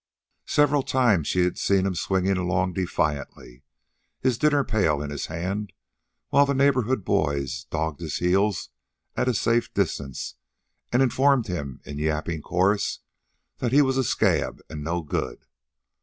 Several times she had seen him swinging along defiantly, his dinner pail in his hand, while the neighborhood boys dogged his heels at a safe distance and informed him in yapping chorus that he was a scab and no good.